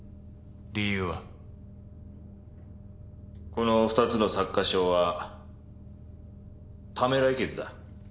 この２つの擦過傷はためらい傷だ。